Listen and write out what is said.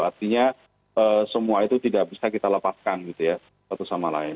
artinya semua itu tidak bisa kita lepaskan gitu ya satu sama lain